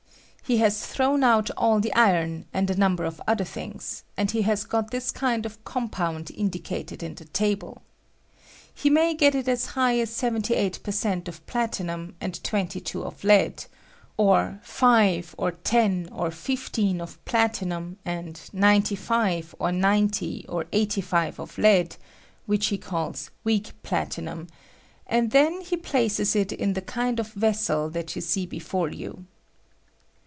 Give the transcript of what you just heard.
He has thrown out all the iron, and a number of other things, and he has got this kind of compound indicated in the table. He may get it aa high aa 78 per cent, of plati num and 22 of lead ; or 5, or 10, or 15 of plati num and 95, or 90, or 85 of lead (which he calls weak platinum), and he then places it in the kind of vessel that you aee before you.